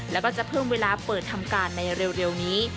แล้วก็จะเพิ่มเวลาเปิดทำการในเร็วนี้